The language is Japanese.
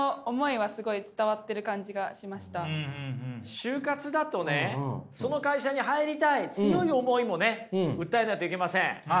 就活だとねその会社に入りたい強い思いもね訴えないといけません。